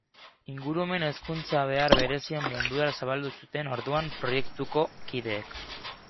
Ingurumen hezkuntza behar berezien mundura zabaldu zuten orduan proiektuko kideek.